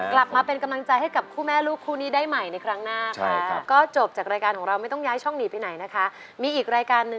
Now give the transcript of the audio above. กลับมาเป็นกำลังใจให้กับคู่แม่ลูกคู่นี้ได้ใหม่ในครั้งหน้าค่ะ